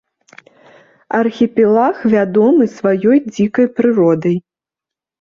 Архіпелаг вядомы сваёй дзікай прыродай.